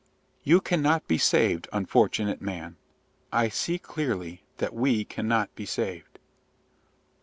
"You cannot be saved, unfortunate man! I see clearly that we cannot be saved!"